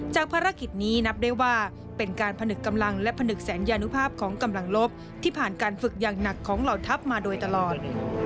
ภารกิจนี้นับได้ว่าเป็นการผนึกกำลังและผนึกสัญญานุภาพของกำลังลบที่ผ่านการฝึกอย่างหนักของเหล่าทัพมาโดยตลอด